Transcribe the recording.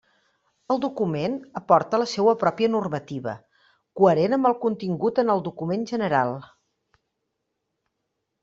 El document aporta la seua pròpia normativa, coherent amb el contingut en el document general.